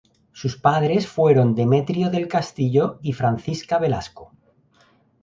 Sus padres fueron Demetrio del Castillo y Francisca Velasco.